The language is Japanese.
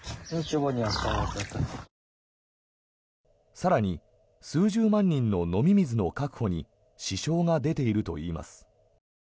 更に数十万人の飲み水の確保に支障が出ているといいます。